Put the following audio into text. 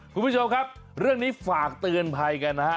คุณผู้ชมครับเรื่องนี้ฝากเตือนภัยกันนะฮะ